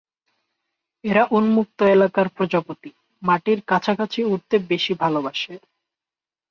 এরা উন্মুক্ত এলাকার প্রজাপতি, মাটির কাছাকাছি উড়তে বেশি ভালবাসে।